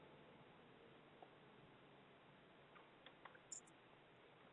人の教えや言葉などを、心にしっかりと留めて決して忘れないこと。両手で物を大切に捧ささげ持って胸につける意から。